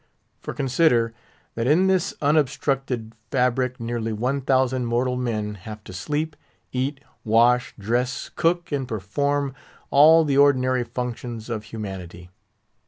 For consider, that in this unobstructed fabric nearly one thousand mortal men have to sleep, eat, wash, dress, cook, and perform all the ordinary functions of humanity.